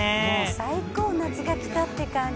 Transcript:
最高の夏が来たって感じ。